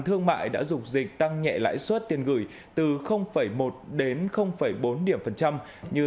thương mại đã dục dịch tăng nhẹ lãi suất tiền gửi từ một đến bốn điểm phần trăm như